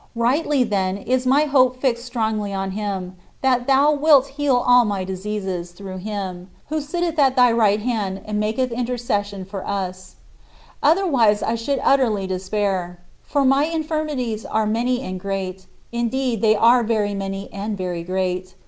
Rightly, then, is my hope fixed strongly on him, that thou wilt "heal all my diseases" through him, who sitteth at thy right hand and maketh intercession for us. Otherwise I should utterly despair. For my infirmities are many and great; indeed, they are very many and very great.